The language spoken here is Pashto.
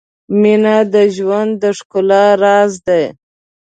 • مینه د ژوند د ښکلا راز دی.